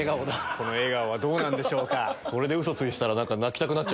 この笑顔はどうなんでしょうか？